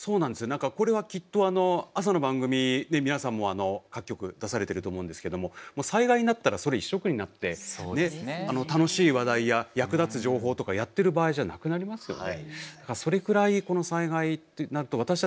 何かこれはきっと朝の番組皆さんも各局出されてると思うんですけどももう災害になったらそれ一色になって楽しい話題や役立つ情報とかやってる場合じゃなくなりますよね。